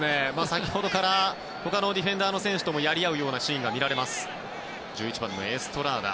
先ほどから他のディフェンダーの選手ともやり合うようなシーンが見られます。